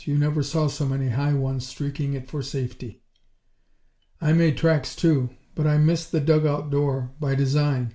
You never saw so many High Ones streaking it for safety. "I made tracks too, but I missed the dugout door by design!